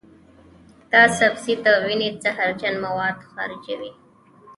دا سبزی د وینې زهرجن مواد خارجوي.